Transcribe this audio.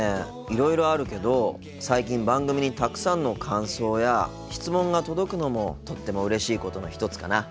いろいろあるけど最近番組にたくさんの感想や質問が届くのもとってもうれしいことの一つかな。